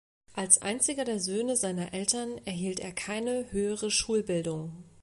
Als einziger der Söhne seiner Eltern erhielt er keine höhere Schulbildung.